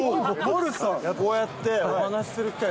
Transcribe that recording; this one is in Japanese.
こうやってお話する機会